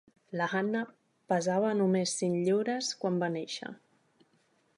La Hannah pesava només cinc lliures quan va néixer.